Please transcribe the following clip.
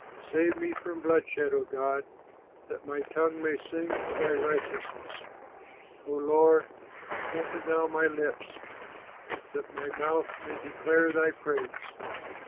Save me from bloodshed, O God, That my tongue may sing of thy righteousness. O Lord, open thou my lips, That my mouth may declare thy praise!